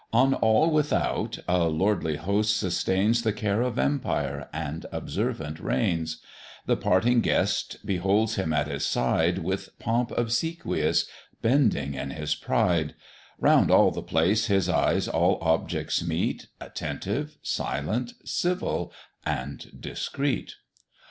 On all without a lordly host sustains The care of empire, and observant reigns; The parting guest beholds him at his side, With pomp obsequious, bending in his pride; Round all the place his eyes all objects meet, Attentive, silent, civil, and discreet.